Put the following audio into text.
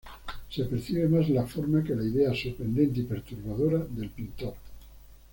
Se percibe más la forma que la idea sorprendente y perturbadora del pintor.